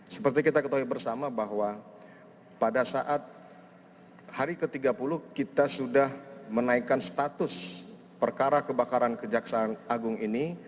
seperti kita ketahui bersama bahwa pada saat hari ke tiga puluh kita sudah menaikkan status perkara kebakaran kejaksaan agung ini